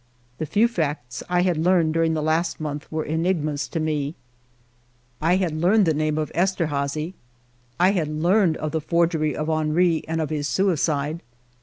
The few facts I had learned during the last month were enigmas to me. I had learned the name of Esterhazy, I had learned of the forgery of Henry, and of his suicide.